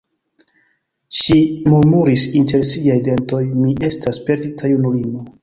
Ŝi murmuris inter siaj dentoj: "Mi estas perdita junulino!"